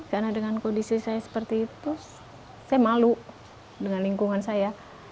karena dengan kondisi saya seperti itu saya malu dengan lingkungan saya